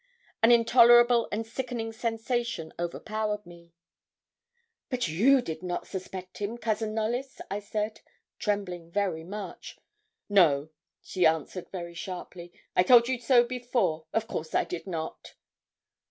An intolerable and sickening sensation overpowered me. 'But you did not suspect him, Cousin Knollys?' I said, trembling very much. 'No,' she answered very sharply. 'I told you so before. Of course I did not.'